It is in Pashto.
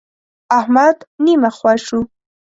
احمد نيمه خوا شو.